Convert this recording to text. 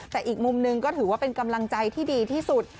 แต่อีกมุมหนึ่งก็ถือว่าเป็นกำลังใจที่ดีที่สุด